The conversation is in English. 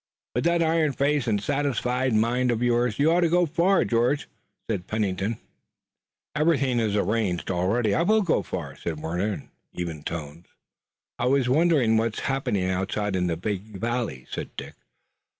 "With that iron face and satisfied mind of yours you ought to go far, George," said Pennington. "Everything is arranged already. I will go far," said Warner in even tones. "I wonder what's happening outside in the big valley," said Dick.